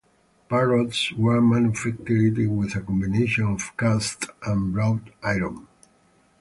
Parrotts were manufactured with a combination of cast and wrought iron.